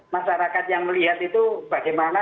masyarakat yang melihat itu bagaimana